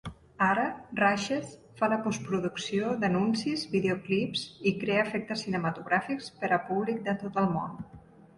Ara Rushes fa la postproducció d'anuncis, videoclips i crea efectes cinematogràfics per a públic de tot el món.